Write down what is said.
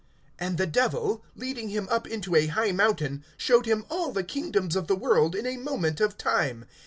(5)And the Devil, leading him up into a high mountain, showed him all the kingdoms of the world in a moment of time.